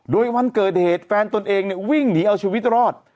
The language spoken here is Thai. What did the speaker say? โดยวันเกิดเหตุแฟนตนเองวิ่งหนีเอาชีวิตรอด